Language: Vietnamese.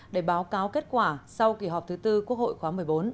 để báo cáo kết quả sau kỳ họp thứ tư quốc hội khóa một mươi bốn